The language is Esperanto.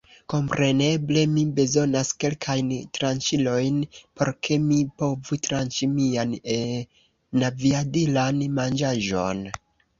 Kompreneble mi bezonas kelkajn tranĉilojn, por ke mi povu tranĉi mian enaviadilan manĝaĵon.